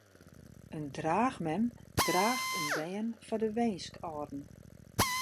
In draachmem draacht in bern foar de winskâlden.